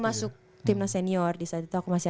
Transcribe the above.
masuk timnas senior di saat itu aku masih